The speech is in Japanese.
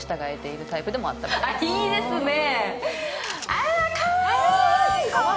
あら、かわいい。